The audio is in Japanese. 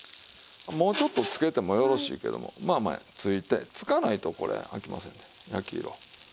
もうちょっとつけてもよろしいけどもまあまあついてつかないとこれあきませんで焼き色。